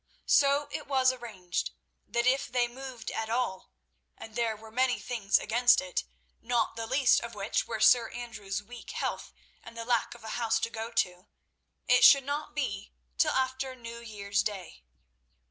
So it was arranged that if they moved at all—and there were many things against it, not the least of which were Sir Andrew's weak health and the lack of a house to go to—it should not be till after New Year's Day.